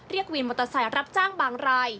วินมอเตอร์ไซค์รับจ้างบางราย